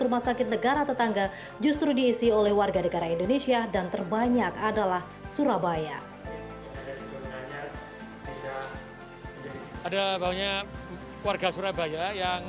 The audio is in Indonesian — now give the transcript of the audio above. rumah sakit negara tetangga justru diisi oleh warga negara indonesia dan terbanyak adalah surabaya